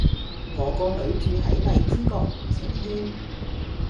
我個女住喺荔枝角宇晴軒